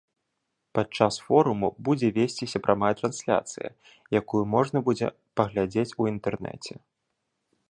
Падчас форуму будзе весціся прамая трансляцыя, якую можна будзе паглядзець у інтэрнэце.